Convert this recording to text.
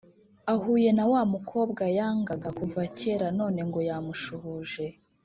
Ahuye nawamukobwa yangaga kuva kera none ngo yamushuje